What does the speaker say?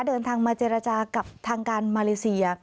เดินทางมาเจรจากับทางการมาเลเซีย